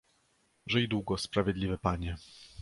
"żyj długo, sprawiedliwy panie!"